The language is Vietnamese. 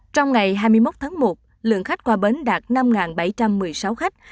trong ngày hai mươi một tháng một lượng khách qua bến đạt năm bảy trăm một mươi sáu khách